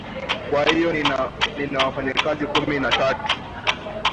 kwa hiyo nina wafanyakazi kumi na tatu